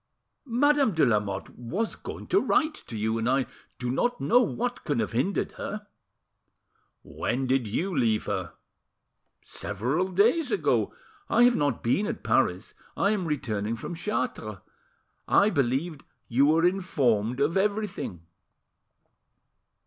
"Madame de Lamotte was going to write to you, and I do not know what can have hindered her." "When did you leave her?" "Several days ago. I have not been at Paris; I am returning from Chartres. I believed you were informed of everything."